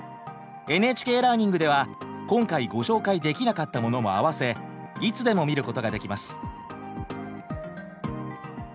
ＮＨＫラーニングでは今回ご紹介できなかったものも合わせいつでも見ることができます。